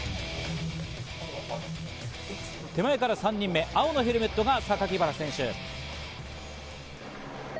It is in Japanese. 手前から３人目、青のヘルメットがサカキバラ選手。